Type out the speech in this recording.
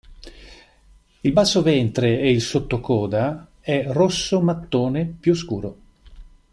Il basso ventre e il sottocoda è rosso mattone più scuro.